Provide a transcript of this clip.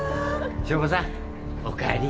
祥子さんお帰り。